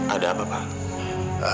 ada apa pak